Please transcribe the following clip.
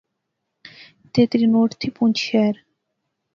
تیتری نوٹ تھی پونچھ شہر